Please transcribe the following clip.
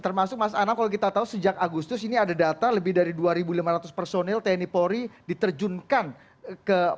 termasuk mas anam kalau kita tahu sejak agustus ini ada data lebih dari dua lima ratus personil tni polri diterjunkan ke polisi